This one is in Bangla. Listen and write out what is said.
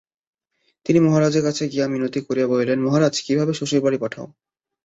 তিনি মহারাজের কাছে গিয়া মিনতি করিয়া বলিলেন, মহারাজ, বিভাকে শ্বশুরবাড়ি পাঠাও।